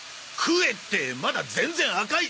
「食え」ってまだ全然赤いじゃん。